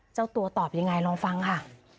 เจ้าตัวตอบยังไงลองฟังค่ะ